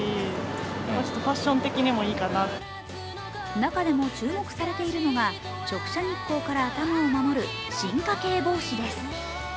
中でも注目されているのが直射日光から頭を守る進化系帽子です。